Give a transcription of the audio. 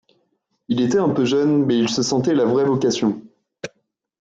Il était un peu jeune, mais il se sentait la vraie vocation.